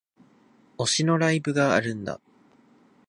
推しのライブがあるんだ